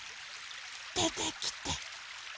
でてきて。